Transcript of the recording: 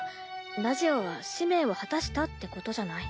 ラジオは使命を果たしたってことじゃない？